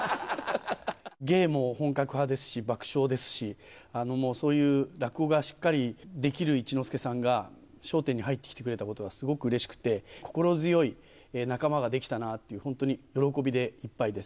芸も本格派ですし、爆笑ですし、もうそういう落語がしっかりできる一之輔さんが笑点に入ってきてくれたことがすごくうれしくて、心強い仲間ができたなっていう、本当に喜びでいっぱいです。